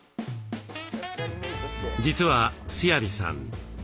実は須鑓さん